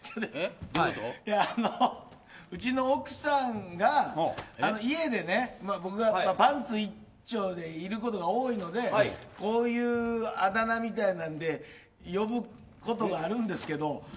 いやうちの奥さんが家で、僕がパンツ一丁でいることが多いのでこういうあだ名みたいなので呼ぶことがあるんですけど。